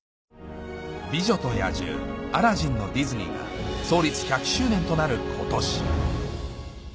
『美女と野獣』『アラジン』のディズニーが創立１００周年となる今年